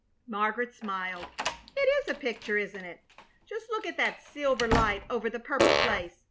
Margaret smiled. "It is a picture, isn't it? Just look at that silver light over the purple place.